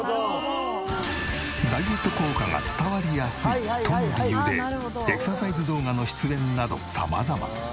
ダイエット効果が伝わりやすいとの理由でエクササイズ動画の出演など様々。